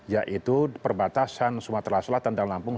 yaitu perbatasan sumatera selatan dan lampung